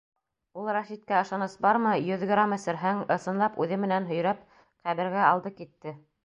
Ул Рәшиткә ышаныс бармы, йөҙ грамм эсерһең, ысынлап үҙе менән һөйрәп ҡәбергә алды китте.